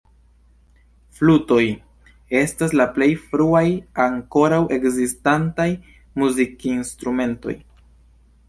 Flutoj estas la plej fruaj ankoraŭ ekzistantaj muzikinstrumentoj.